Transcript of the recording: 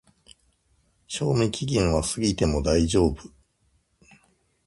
賞味期限は過ぎても大丈夫